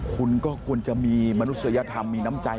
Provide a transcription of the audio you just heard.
คุณก็ควรจะมีมนุษยธรรมมีน้ำใจ